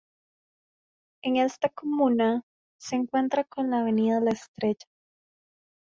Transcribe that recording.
En esta comuna se encuentra con la Avenida La Estrella.